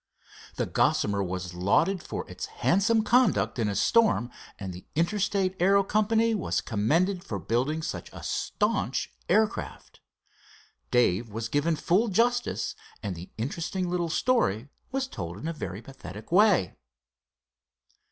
The Gossamer was lauded for its handsome conduct in a storm, and the Interstate Aero Company was commended for building such a staunch aircraft. Dave was given full justice, and the interesting little story was told in a very pathetic way.